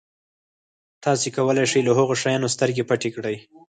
تاسو کولای شئ له هغه شیانو سترګې پټې کړئ.